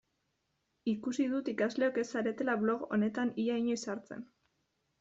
Ikusi dut ikasleok ez zaretela blog honetan ia inoiz sartzen.